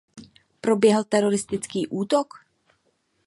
Proběhl teroristický útok?